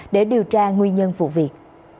để điều tra nguyên nhân vụ việc